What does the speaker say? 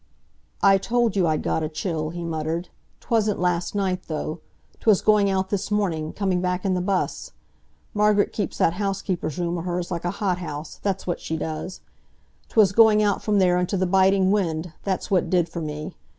"I told you I'd got a chill," he muttered. "'Twasn't last night, though; 'twas going out this morning, coming back in the bus. Margaret keeps that housekeeper's room o' hers like a hothouse—that's what she does. 'Twas going out from there into the biting wind, that's what did for me.